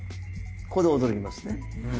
ここで驚きますね。